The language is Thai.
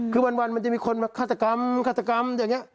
คือวันมันจะมีคนมาฆาตกรรมฆาตกรรมอย่างนี้